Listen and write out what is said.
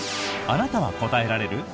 あなたは答えられる？